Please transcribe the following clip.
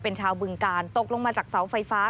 เป็นชาวบึงกาลตกลงมาจากเสาไฟฟ้า